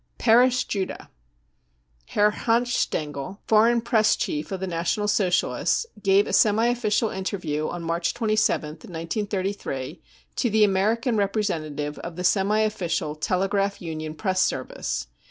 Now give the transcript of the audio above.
" Perish Judah !" Herr Hanfstaengl, " Foreign Press Chief 55 of the National Socialists, gave a semi official inter view on March 27th, 1933, to the American representative of the semi official Telegraph Union Press Service.